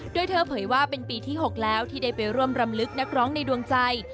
โดยเธอเผยว่าเป็นปีที่๖แล้วที่ได้ไปร่วมรำลึกนักร้องในดวงใจ